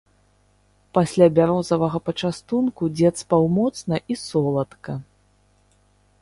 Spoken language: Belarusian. Пасля бярозавага пачастунку дзед спаў моцна і соладка.